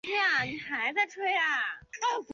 是福音战士新剧场版系列的第一部。